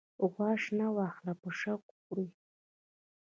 غوا شنه واخه په شوق خوری